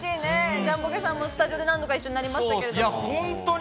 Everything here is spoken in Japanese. ジャンポケさんもスタジオで何度か一緒になりましたよね。